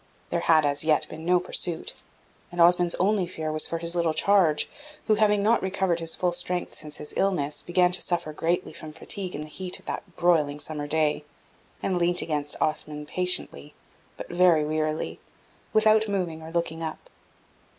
There had, as yet, been no pursuit, and Osmond's only fear was for his little charge, who, not having recovered his full strength since his illness, began to suffer greatly from fatigue in the heat of that broiling summer day, and leant against Osmond patiently, but very wearily, without moving or looking up.